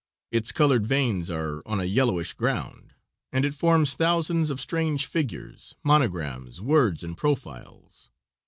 Its colored veins are on a yellowish ground, and it forms thousands of strange figures, monograms, words and profiles.